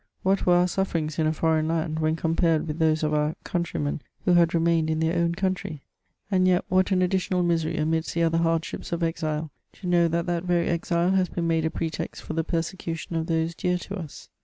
What were our snfTerings in a fordgn knd, when compaied with those of our countrymen who had remained in their own country ? And yet what an additional misery amidst the other hardships of exile, to know that that very exile has been made a pretext for the persecution of those dear to us